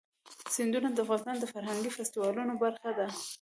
سیندونه د افغانستان د فرهنګي فستیوالونو برخه ده.